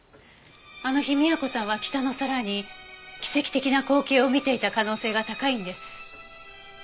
あの日美也子さんは北の空に奇跡的な光景を見ていた可能性が高いんです。